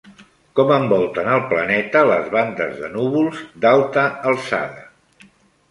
Com envolten el planeta les bandes de núvols d'alta alçada?